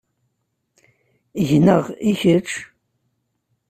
Gneɣ, i kečč?